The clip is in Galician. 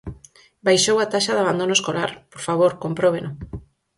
Baixou a taxa de abandono escolar; por favor, compróbeno.